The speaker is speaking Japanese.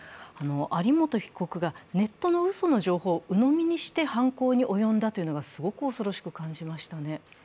有本被告がネットのうその情報をうのみにして犯行に及んだというのが、すごく恐ろしく感じましたね。